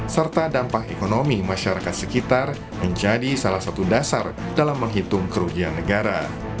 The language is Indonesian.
serta dampak ekonomi masyarakat sekitar menjadi salah satu dasar dalam menghitung kerugian negara